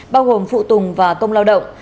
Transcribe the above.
bao gồm phụ tùng và công lao động